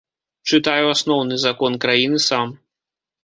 Чытаю асноўны закон краіны сам.